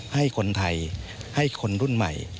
ให้คนไทยให้คนรุ่นใหม่